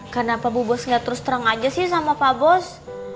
karena pak bu bos gak terus terang aja sih sama pak bos